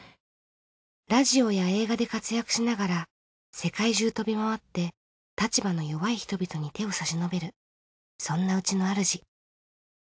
ラジオや映画で活躍しながら世界中飛び回って立場の弱い人々に手を差し伸べるそんなうちのあるじ。